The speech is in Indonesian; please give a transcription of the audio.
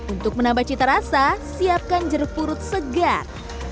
untuk menambah cita rasa siapkan jeruk purut segar